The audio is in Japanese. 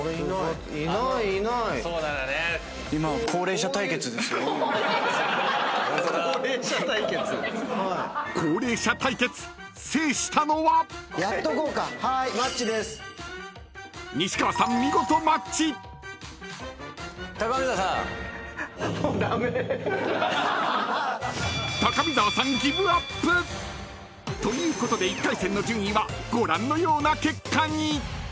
［ということで１回戦の順位はご覧のような結果に］